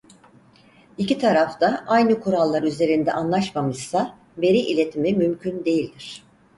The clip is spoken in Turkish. İki taraf da aynı kurallar üzerinde anlaşmamışsa veri iletimi mümkün değildir.